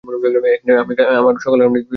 এখানে আমি আমার সকল গার্লফ্রেন্ডদেরকে নিয়ে আসি।